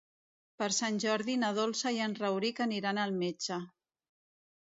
Per Sant Jordi na Dolça i en Rauric aniran al metge.